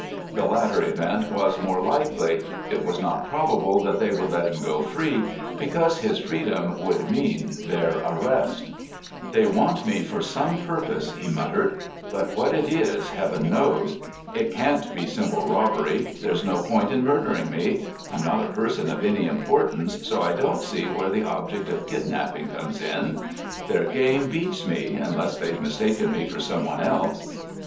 The latter event was more likely. It was not probable that they would let him go free, because his freedom would mean their arrest. [Illustration: "Wedge, turning as it moved, always faced it" (page 81).] "They want me for some purpose," he muttered. "But what it is, Heaven knows. It can't be simple robbery. There's no point in murdering me. I'm not a person of any importance, so I don't see where the object of kidnapping comes in. Their game beats me, unless they've mistaken me for someone else."